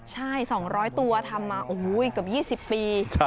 ใช่๒๐๐ตัวทำมาอีกกับ๒๐ปี